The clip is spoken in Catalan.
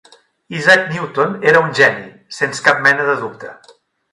Isaac Newton era un geni, sens cap mena de dubte.